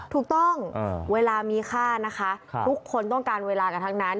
ถูกต้องเวลามีค่านะคะทุกคนต้องการเวลากันทั้งนั้น